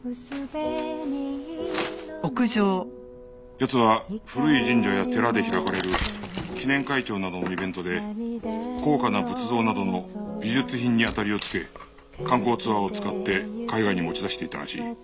奴は古い神社や寺で開かれる記念開帳などのイベントで高価な仏像などの美術品に当たりをつけ観光ツアーを使って海外に持ち出していたらしい。